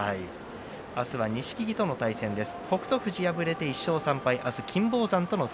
明日は錦木との対戦です。